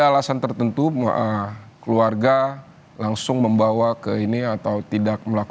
apakah ada alasan tertentu keluarga langsung membawa jenazah dari brigadir ra ke manado